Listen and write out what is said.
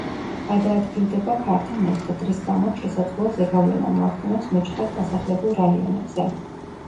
გადაადგილდება ქართან ერთად, რის გამოც შესაძლოა ზეგავლენა მოახდინოს მეჩხრად დასახლებულ რაიონებზე.